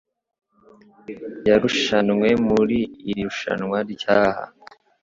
yarushanwe muri iri rushanwa ryaha